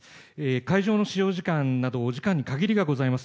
会場の使用時間などお時間に限りがございます。